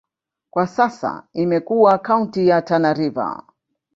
Kwa sasa imekuwa kaunti ya Tana River.